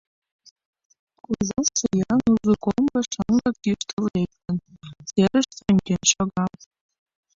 Кужу шӱян узо комбо шаҥгак йӱштыл лектын, серыште ончен шога.